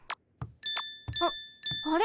あっあれ？